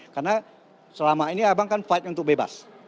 karena selama ini abang kan berjuang untuk bebas